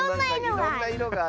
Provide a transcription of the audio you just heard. いろんないろがある。